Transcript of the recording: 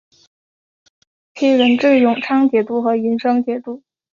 大理国初期仍置永昌节度和银生节度。